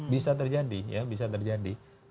bisa terjadi ya bisa terjadi